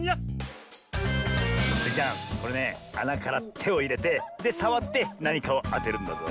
これねあなからてをいれてでさわってなにかをあてるんだぞ。